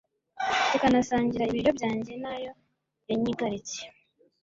tukanasangira ibiryo byanjye na yo yanyigaritse